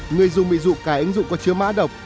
người dùng bị dụ cài ứng dụng có chứa mã độc